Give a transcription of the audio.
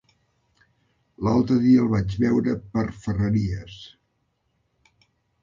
L'altre dia el vaig veure per Ferreries.